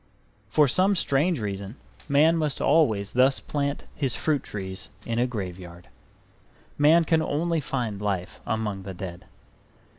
For some strange reason man must always thus plant his fruit trees in a graveyard. Man can only find life among the dead.